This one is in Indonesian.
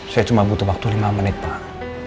saya cuma butuh waktu lima menit pak